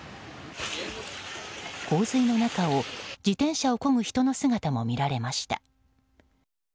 洪水の中を自転車をこぐ人の姿も見られました。